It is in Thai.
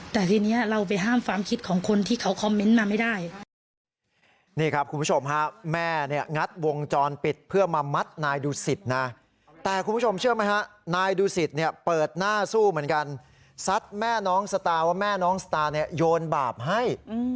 แต่ทีนี้เราไปห้ามความคิดของคนที่เขาคอมเมนต์มาไม่ได้